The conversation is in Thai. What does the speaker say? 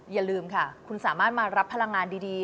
อย่าลืมค่ะคุณสามารถมารับพลังงานดี